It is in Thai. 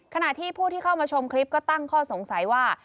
ขณะที่ผู้ที่เข้ามาชมคลิปก็ตั้งข้อสงสัยว่า